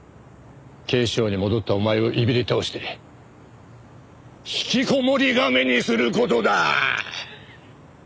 警視庁に戻ったお前をいびり倒して引きこもり亀にする事だ！